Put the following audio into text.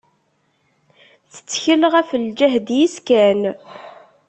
Tettkel ɣef lǧehd-is kan.